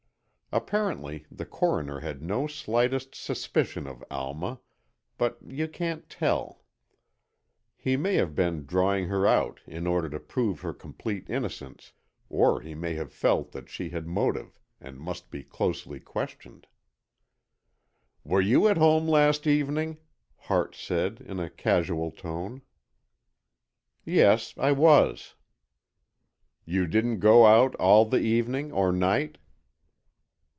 Apparently, the Coroner had no slightest suspicion of Alma, but you can't tell. He may have been drawing her out in order to prove her complete innocence or he may have felt that she had motive and must be closely questioned. "Were you at home last evening?" Hart said, in a casual tone. "Yes, I was." "You didn't go out all the evening or night?"